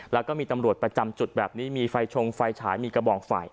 แล้วก็มีตำรวจประจำจุดแบบนี้มีไฟชงไฟฉายมีกระบองไฟ